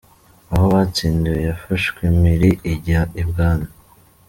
Aho batsindiwe yafashwe mpiri, ijya I bwami.